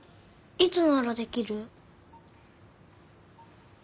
いつならできる？